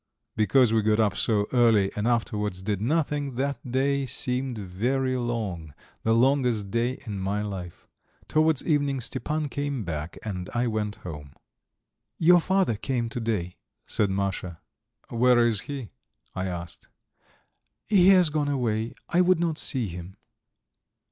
Because we got up so early and afterwards did nothing, that day seemed very long, the longest day in my life. Towards evening Stepan came back and I went home. "Your father came to day," said Masha. "Where is he?" I asked. "He has gone away. I would not see him."